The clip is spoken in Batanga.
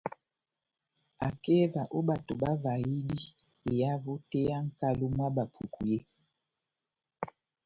Akeva ó bato bavahidi ehavo tɛ́h yá nʼkalo mwá Bapuku yé.